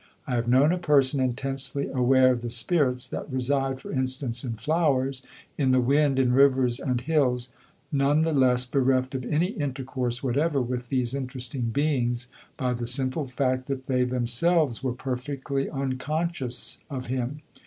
I have known a person intensely aware of the Spirits that reside, for instance, in flowers, in the wind, in rivers and hills, none the less bereft of any intercourse whatever with these interesting beings by the simple fact that they themselves were perfectly unconscious of him.